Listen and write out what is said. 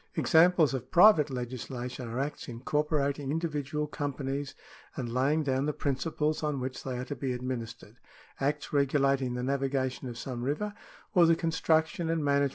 Examples of private legislation are acts incor * porating individual companies and laying down the principles on which they are to be administered, acts regulating the navigation of some river, or the construction and manage €i.